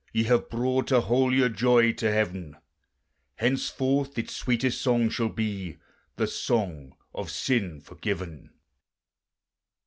ye have brought a holier joy to heaven; Henceforth its sweetest song shall be the song of sin forgiven!"